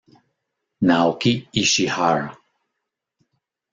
Naoki Ishihara